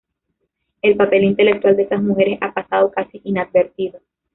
El papel intelectual de esas mujeres ha pasado casi inadvertido.